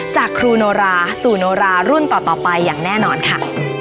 จากครูโนราสู่โนรารุ่นต่อไปอย่างแน่นอนค่ะ